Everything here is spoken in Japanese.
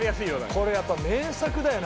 これやっぱ名作だよな